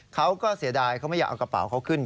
เขาก็เสียดายเขาไม่อยากเอากระเป๋าเขาขึ้น